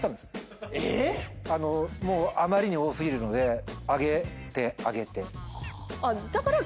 もうあまりに多過ぎるのであげてあげて。